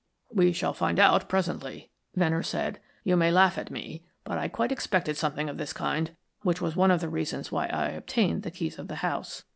"We shall find out presently," Venner said. "You may laugh at me, but I quite expected something of this kind, which was one of the reasons why I obtained the keys of the house."